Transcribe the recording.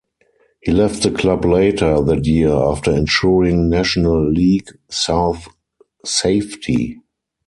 He left the club later that year after ensuring National League South safety.